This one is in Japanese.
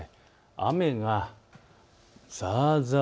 雨がざーざー